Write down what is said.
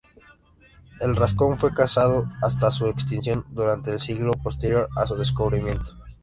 El rascón fue cazado hasta su extinción durante el siglo posterior a su descubrimiento.